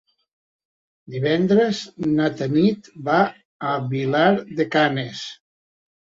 Divendres na Tanit va a Vilar de Canes.